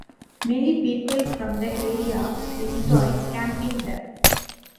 Many people from the area enjoy camping there.